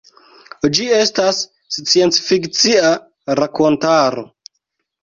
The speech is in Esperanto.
Ĝi estas sciencfikcia rakontaro.